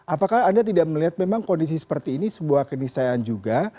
apakah anda tidak melihat memang kondisi seperti ini sebuah kenisayaan juga